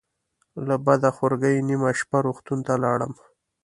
له بده خورګۍ نیمه شپه روغتون ته لاړم.